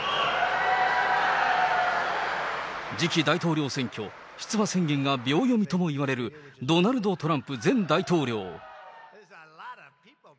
次期大統領選挙出馬宣言が秒読みともいわれるドナルド・トランプ前大統領。